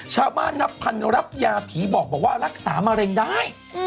ชาวบ้านนับพันธุ์รับยาผีบอกบอกว่ารักษามาเร็งได้